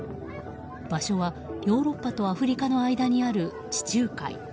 場所はヨーロッパとアフリカの間にある地中海。